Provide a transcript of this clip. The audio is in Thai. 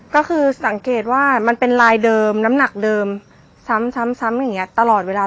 ก็คือสังเกตว่ามันเป็นลายเดิมน้ำหนักเดิมซ้ำซ้ำอย่างนี้ตลอดเวลา